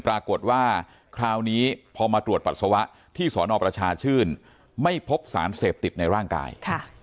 ปรากฏว่าคราวนี้พอมาตรวจปัสสาวะที่สนประชาชื่นไม่พบสารเสพติดในร่างกาย